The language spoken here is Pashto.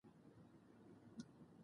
د افغانستان په منظره کې انار ښکاره ده.